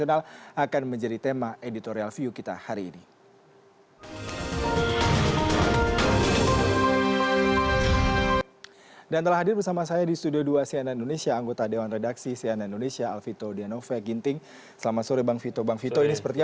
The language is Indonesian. akankah ini menjadi solusi